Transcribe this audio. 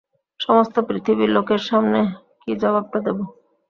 সমস্ত পৃথিবীর লোকের সামনে কী জবাবটা দেব?